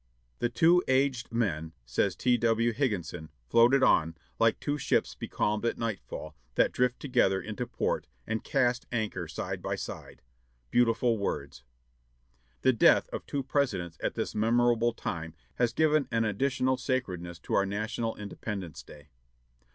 "The two aged men," says T. W. Higginson, "floated on, like two ships becalmed at nightfall, that drift together into port, and cast anchor side by side." Beautiful words! The death of two Presidents at this memorable time has given an additional sacredness to our national Independence Day.